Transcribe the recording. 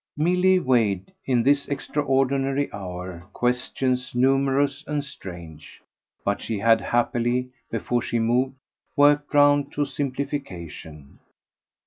Milly weighed, in this extraordinary hour, questions numerous and strange; but she had happily, before she moved, worked round to a simplification.